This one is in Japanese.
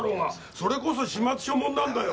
それこそ始末書もんなんだよ！